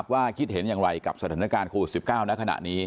ว่าคิดเห็นอย่างไรกับสถานการณ์โควิด๑๙ณขณะนี้